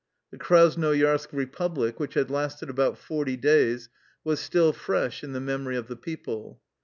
The Krasnoyarsk "repub lic," which had lasted about forty days, was still fresh in the memory of the people.